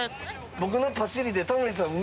僕のパシリでタモリさん